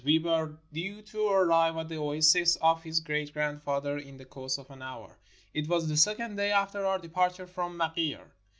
We were due to arrive at the oasis of his great grandfather in the course of an hour. It was the second day after our departure from Maghier.